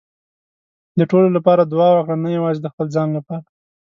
د ټولو لپاره دعا وکړه، نه یوازې د خپل ځان لپاره.